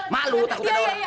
malu takut ada orang